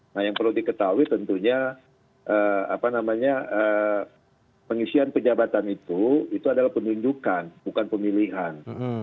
nah yang perlu diketahui tentunya apa namanya pengisian pejabatan itu adalah penunjukan bukan pemilihan